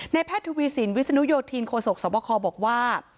ในแพทย์ธุบิษีณวิสานุโยธีนโคศกสวครบอกว่า